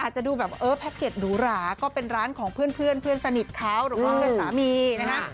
หุหลาก็เป็นร้านของเพื่อนเพื่อนสนิทเขาแล้วก็เพื่อนสามีนะคะ